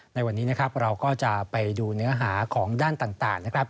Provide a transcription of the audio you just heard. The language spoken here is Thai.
ในวันนี้เราก็จะไปดูเนื้อหาของด้านต่าง